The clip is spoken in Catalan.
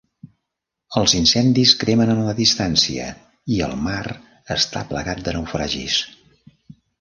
Els incendis cremen en la distància i el mar està plagat de naufragis.